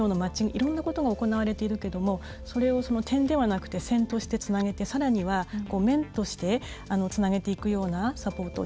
いろんなことが行われているけどもそれを、点ではなくて線としてつなげてさらには、面としてつなげていくようなサポート。